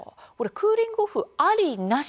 クーリング・オフありなし